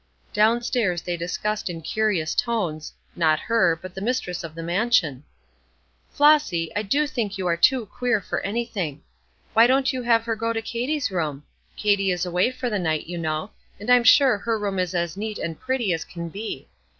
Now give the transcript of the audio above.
Down stairs they discussed in curious tones not her, but the mistress of the mansion. "Flossy, I do think you are too queer for anything! Why don't you have her go to Katy's room? Katy is away for the night, you know, and I'm sure her room is as neat and pretty as can be.